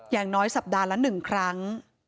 อย่างน้อยสัปดาห์ละ๑ครั้ง